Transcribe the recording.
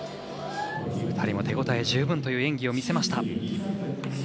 ２人も手応え十分という演技を見せました。